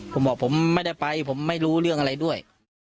ผมบอกผมไม่ได้ไปผมไม่รู้เรื่องอะไรด้วย